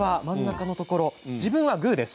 自分はグーです。